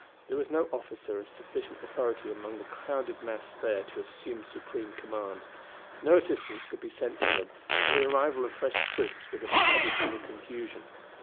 There was no officer of sufficient authority among the crowded mass there to assume the supreme command. No assistance could be sent to them, for the arrival of fresh troops would but have added to the confusion.